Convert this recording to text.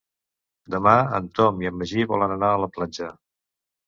Demà en Tom i en Magí volen anar a la platja.